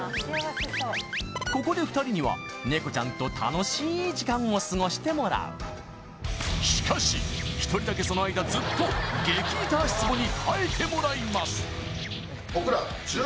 ここで２人には猫ちゃんと楽しい時間をすごしてもらうしかし１人だけその間ずっと激イタ足ツボに耐えてもらいます